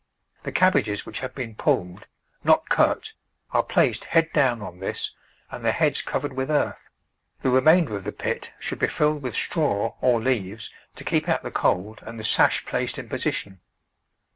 The cabbages which have been pulled — not cut — are placed head do^\Ti on this and the heads covered with earth ; the remainder of the pit should be filled with straw or leaves to keep out the cold and the sash placed in position.